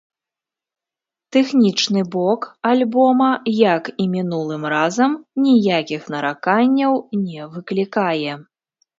Тэхнічны бок альбома, як і мінулым разам, ніякіх нараканняў не выклікае.